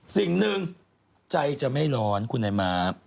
สิ่งหนึ่งใจจะไม่ร้อนคุณนายม้า